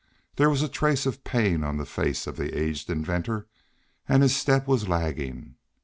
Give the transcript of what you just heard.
There was a trace of pain on the face of the aged inventor, and his step was lagging.